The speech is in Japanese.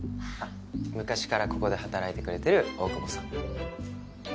昔からここで働いてくれてる大久保さん。